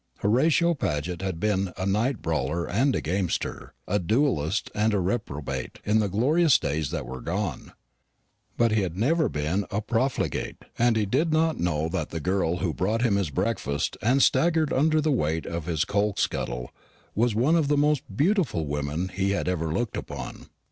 Horatio Paget had been a night brawler and a gamester, a duellist and a reprobate, in the glorious days that were gone; but he had never been a profligate; and he did not know that the girl who brought him his breakfast and staggered under the weight of his coal scuttle was one of the most beautiful women he had ever looked upon.